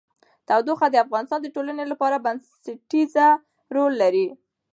تودوخه د افغانستان د ټولنې لپاره بنسټيز رول لري.